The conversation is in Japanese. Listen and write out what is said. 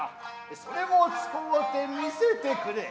それを使うて見せてくれい。